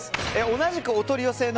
同じくお取り寄せの